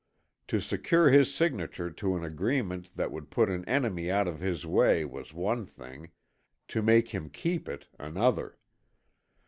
To secure his signature to an agreement that would put an enemy out of his way was one thing, to make him keep it, another.